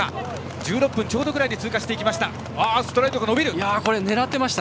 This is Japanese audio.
１６分ちょうどくらいで通過していきました。